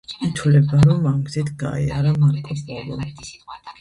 ითვლება, რომ ამ გზით გაიარა მარკო პოლომ.